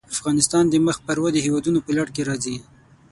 افغانستان د مخ پر ودې هېوادونو په لړ کې راځي.